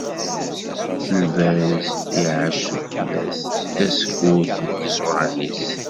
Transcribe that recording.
Lbaz iɛac sufella-s, tasekkurt deg yiẓuran-is.